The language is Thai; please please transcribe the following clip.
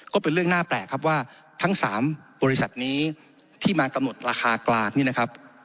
ก็เป็นเรื่องน่าแปลกครับว่าทั้ง๓บริษัทนี้ที่มากำหนดราคากลางนี่นะครับ